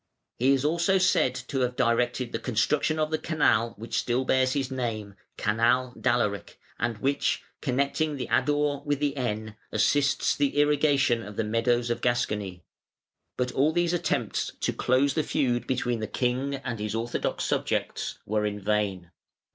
He is also said to have directed the construction of the canal, which still bears his name (Canal d'Alaric), and which, connecting the Adour with the Aisne, assists the irrigation of the meadows of Gascony. But all these attempts to close the feud between the king and his orthodox subjects were vain.